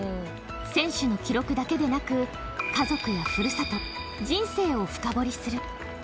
選手の記録だけでなく家族やふるさと人生をフカボリする